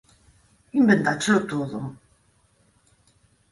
Inventáchelo todo.